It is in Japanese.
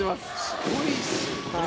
すごいですね。